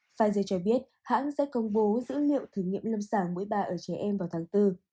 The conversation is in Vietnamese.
pfizer cho biết hãng sẽ công bố dữ liệu thử nghiệm lâm sàng mới ba ở trẻ em vào tháng bốn